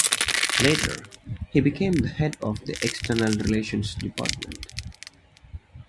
Later he became the head of the external relations department.